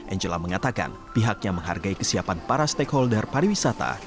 angela mengatakan pihaknya menghargai kesiapan para stakeholder pariwisata